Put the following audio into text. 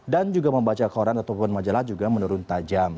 dan juga membaca koran ataupun majalah juga menurun tajam